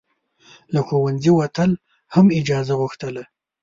له ښوونځي وتل هم اجازه غوښتله.